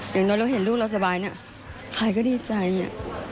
อย่างนั้นเราเห็นลูกเราสบายนะใครก็ดีใจ